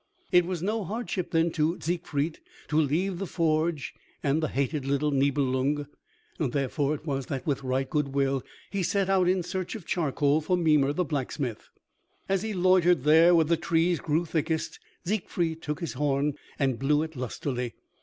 It was no hardship then to Siegfried to leave the forge and the hated little Nibelung, therefore it was that with right good will he set out in search of charcoal for Mimer the blacksmith. As he loitered there where the trees grew thickest, Siegfried took his horn and blew it lustily.